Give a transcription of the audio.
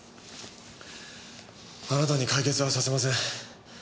あなたに解決はさせません。